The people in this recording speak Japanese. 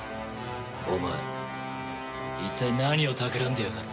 お前一体何をたくらんでやがる？